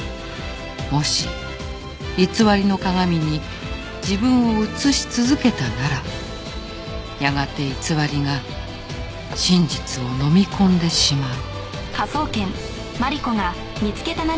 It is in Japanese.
「もし偽りの鏡に自分を映し続けたならやがて偽りが真実をのみ込んでしまう」